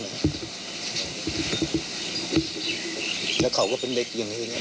แล้วเขาก็เป็นเด็กอย่างนี้